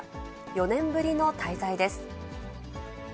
４年ぶりの滞在です。